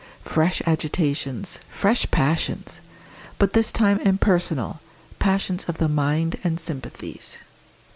Fresh agitations! fresh passions! but this time impersonal, passions of the mind and sympathies.